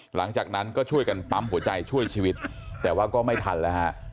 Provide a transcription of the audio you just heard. หลังจากนั้นก็ช่วยกันปั๊มหัวใจช่วยชีวิตแต่ว่าก็ไม่ทันแล้วฮะ